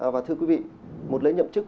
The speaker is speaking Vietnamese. và thưa quý vị một lễ nhậm chức